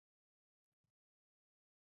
ایا ستاسو سترګې به پټې شي؟